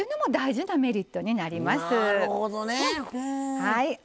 はい。